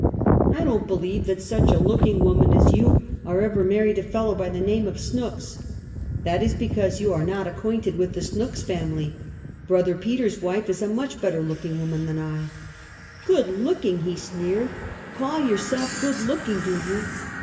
" I don't believe that such a looking woman as you are ever married a fellow by the name of Snooks:" " That is because you are not acquainted with the Snooks' family; brother Peter's wife is a much better looking woman than I am!" "Good lookin'!" he sneered; "call yourself good lookin', do you?"